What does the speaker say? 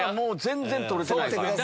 全然取れてないから。